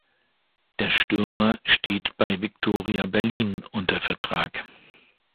Der Stürmer steht bei Viktoria Berlin unter Vertrag.